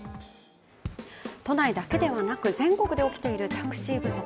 都内だけではなく全国で起きているタクシー不足。